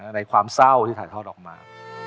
ในความเศร้าที่ถ่ายทอดออกมา